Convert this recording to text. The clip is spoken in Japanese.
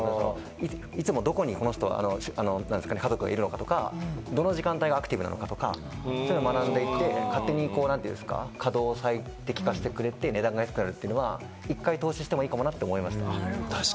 どこに家族がいるとか、どの時間がアクティブとか、そういうのを学んでいって、勝手に稼働を最適化してくれて安くなるっていうのは１回投資してもいいかなって思いました。